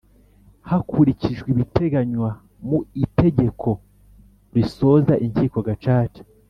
hakurikizwe ibiteganywa mu itegeko risoza Inkiko Gacaca